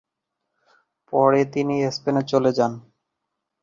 পরে তিনি স্পেনে চলে যান।